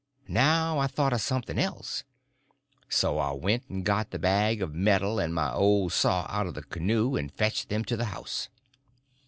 Now I thought of something else. So I went and got the bag of meal and my old saw out of the canoe, and fetched them to the house.